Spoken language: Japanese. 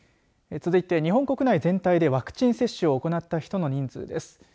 続いて、日本国内全体でワクチン接種を行った人の人数です。